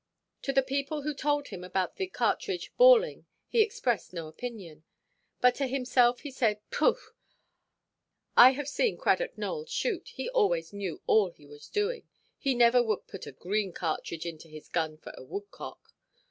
To the people who told him about the cartridge "balling," he expressed no opinion; but to himself he said, "Pooh! I have seen Cradock Nowell shoot. He always knew all he was doing. He never would put a green cartridge into his gun for a woodcock.